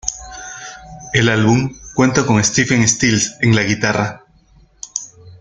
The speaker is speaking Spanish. El álbum cuenta con Stephen Stills en la guitarra.